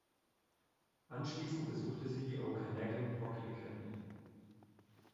Anschließend besuchte sie die "Okanagan Hockey Academy".